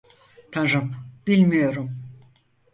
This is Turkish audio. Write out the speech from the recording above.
Tanrım, bilmiyorum.